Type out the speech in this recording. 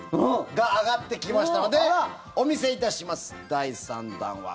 上がってきましたのでお見せいたします。